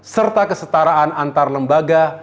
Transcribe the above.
serta kesetaraan antar lembaga